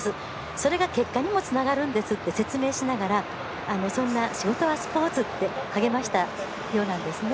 それが結果にもつながるんですと説明しながら、そんな「仕事はスポーツ」って励ましたようなんですね。